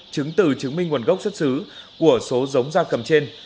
chứng tử chứng minh nguồn gốc xuất xứ của số giống ra cầm trên